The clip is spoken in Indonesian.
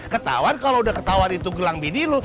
ketauan kalau udah ketauan itu gelang bini lu